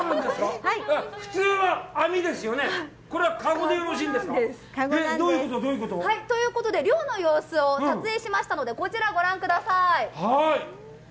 どういうこと？ということで漁の様子を撮影しましたので、こちらをご覧ください。